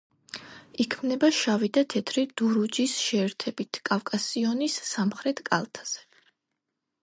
იქმნება შავი და თეთრი დურუჯის შეერთებით კავკასიონის სამხრეთ კალთაზე.